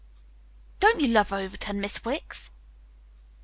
"Don't you love Overton, Miss Wicks?"